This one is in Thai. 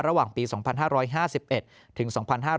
ระหว่างปี๒๕๕๑ถึง๒๕๕๙